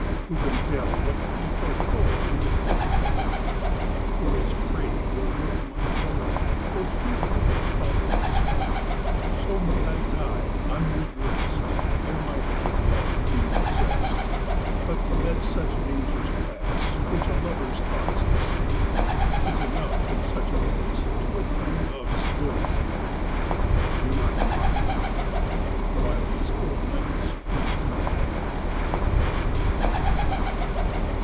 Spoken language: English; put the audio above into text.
Who can tell what thief or foe, In the covert of the night, For his prey will work my woe, Or through wicked foul despite? So may I die unredrest Ere my long love be possest. But to let such dangers pass, Which a lover's thoughts disdain, 'Tis enough in such a place To attend love's joys in vain: Do not mock me in thy bed, While these cold nights freeze me dead.